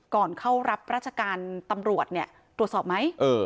ก่อนเข้ารับราชการตำรวจเนี่ยตรวจสอบไหม